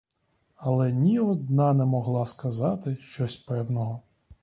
Але ні одна не могла сказати щось певного.